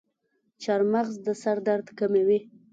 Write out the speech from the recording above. چارمغز د سر درد کموي.